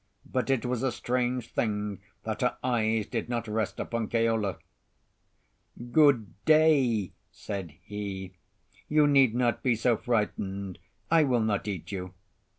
But it was a strange thing that her eyes did not rest upon Keola. "Good day," said he. "You need not be so frightened; I will not eat you."